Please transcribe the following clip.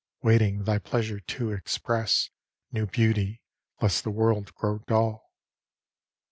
Waiting thy pleasure to express New beauty, lest the world grow dull.